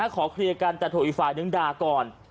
ขอเคลียร์กันแต่ถูกอีกฝ่ายนึงด่าก่อน